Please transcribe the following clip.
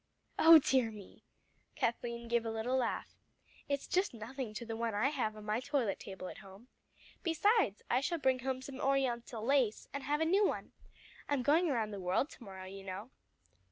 "Oh dear me!" Kathleen gave a little laugh. "It's just nothing to the one I have on my toilet table at home. Besides, I shall bring home some Oriental lace, and have a new one: I'm going around the world to morrow, you know."